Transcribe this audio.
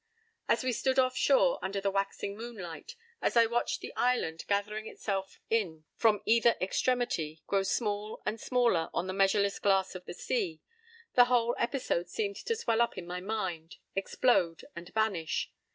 p> As we stood offshore under the waxing moonlight, as I watched the island, gathering itself in from either extremity, grow small and smaller on the measureless glass of the sea, the whole episode seemed to swell up in my mind, explode, and vanish.